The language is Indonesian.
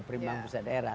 perimbang pusat daerah